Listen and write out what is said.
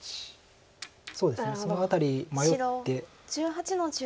そうですねその辺り迷って。